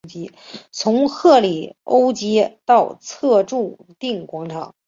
从赫里欧街到策肋定广场。